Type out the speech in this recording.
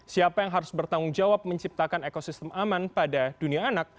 siapa yang harus bertanggung jawab menciptakan ekosistem aman pada dunia anak